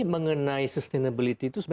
mengenai sustainability itu